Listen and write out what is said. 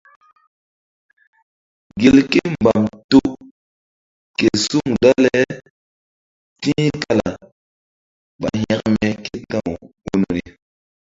Gelke mbam to ke suŋ dale ti̧h kala ɓa hȩkme ké ta̧w gunri.